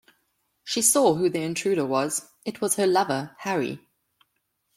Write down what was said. She saw who the intruder was: it was her lover, Harry.